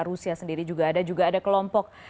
rusia sendiri juga ada juga ada kelompok